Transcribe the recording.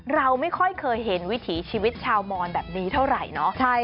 เราไม่ค่อยเคยเห็นวิถีชีวิตชาวมอนแบบนี้เท่าไหร่เนอะ